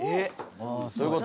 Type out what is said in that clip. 「どういう事？」